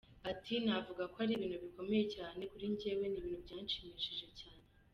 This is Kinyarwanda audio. Ati “Navuga ko ari ibintu bikomeye cyane kuri njyewe, ni ibintu byanshimishije cyane.